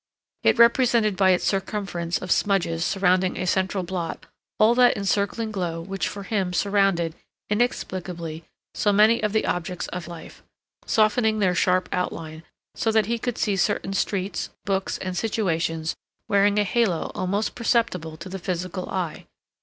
It represented by its circumference of smudges surrounding a central blot all that encircling glow which for him surrounded, inexplicably, so many of the objects of life, softening their sharp outline, so that he could see certain streets, books, and situations wearing a halo almost perceptible to the physical eye.